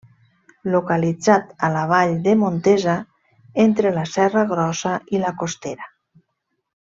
Localitzat a la vall de Montesa, entre la Serra Grossa i la Costera.